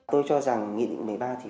tôi cho rằng nghị định một mươi ba